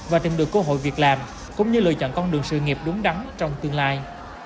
và tìm được cơ hội việc làm cũng như lựa chọn con đường sự nghiệp đúng đắn trong tương lai